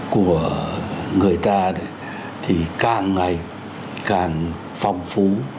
của người ta thì càng ngày càng phong phú